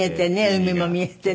海も見えてね。